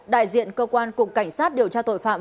đại diện cơ quan cục cảnh sát điều tra tội phạm